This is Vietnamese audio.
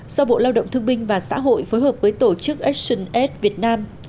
do bộ lao động thương binh và xã hội phối hợp với tổ chức actionaid việt nam